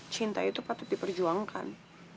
cinta itu patut diperjuangkan